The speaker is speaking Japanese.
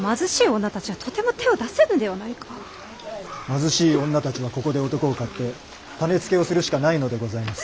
貧しい女たちはここで男を買って種付けをするしかないのでございます。